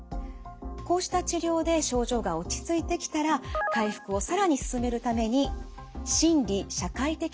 こうした治療で症状が落ち着いてきたら回復を更に進めるために心理社会的支援をしていきます。